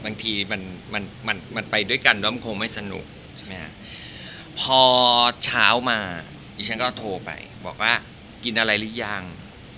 อ่ะบางทีมันมันมันไปด้วยกันไม่มีความมีไม่สนุกพอเช้ามาก็โทรไปบอกว่ากินอะไรหรือยัง